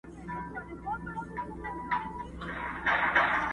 او د مقاومت توان له لاسه ورکوي،